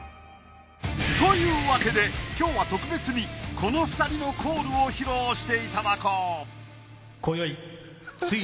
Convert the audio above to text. というわけで今日は特別にこの２人のコールを披露していただこうこよい